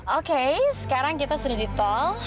oke sekarang kita sudah di tol